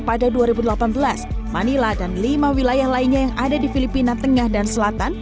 pada dua ribu delapan belas manila dan lima wilayah lainnya yang ada di filipina tengah dan selatan